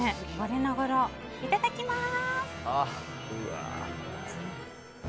いただきます。